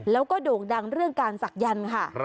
แล้วก็โด่งดังเรื่องการศักยันต์ค่ะ